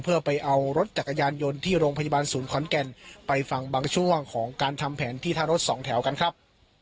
เพื่อไปเอารถจักรยานยนต์ที่โรงพยาบาลศูนย์ขอนแก่นไปฟังบางช่วงของการทำแผนที่ท่ารถสองแถวกันครับ